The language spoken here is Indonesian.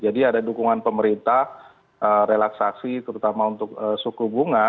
jadi ada dukungan pemerintah relaksasi terutama untuk suku bunga